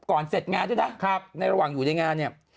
เสร็จงานด้วยนะในระหว่างอยู่ในงานเนี่ย